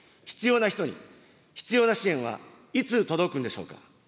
必要な人に、必要な支援は、いつ届くんでしょうか。